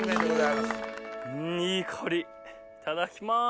いただきます。